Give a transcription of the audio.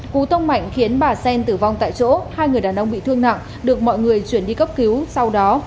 cú tông mạnh khiến bà xen tử vong tại chỗ hai người đàn ông bị thương nặng được mọi người chuyển đi cấp cứu sau đó